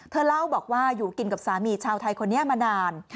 เล่าบอกว่าอยู่กินกับสามีชาวไทยคนนี้มานาน